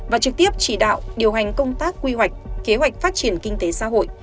và trực tiếp chỉ đạo điều hành công tác quy hoạch kế hoạch phát triển kinh tế xã hội